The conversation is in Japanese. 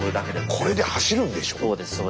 これで走るんでしょ？